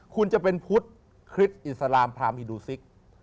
คุณจะเป็นพุทธพระเบิดพระธรรมธรรมศิษย์